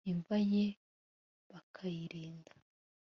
imva ye bakayirinda